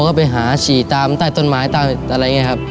ก็ไปหาฉี่ตามใต้ต้นไม้ใต้อะไรอย่างนี้ครับ